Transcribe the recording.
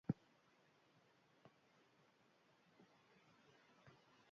Herriko Armeria Eskolan ikasi ondoren, autodidakta izan zen.